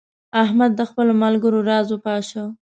احمد د خپلو ملګرو راز وپاشه.